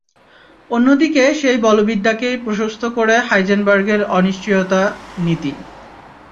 অন্যদিকে সেই বলবিদ্যাকেই প্রশস্ত করে হাইজেনবার্গের অনিশ্চয়তা–নীতি।